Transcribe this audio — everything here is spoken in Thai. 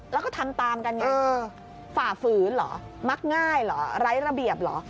แล้วก็ทำตามกันไงฝ่าฝืนเหรอมักง่ายเหรอไร้ระเบียบเหรอ